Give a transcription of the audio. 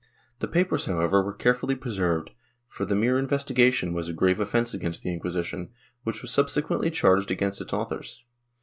The papers however were carefully preserved, for the mere investigation was a grave ofience against the Inquisition, which was subsequently charged against its authors.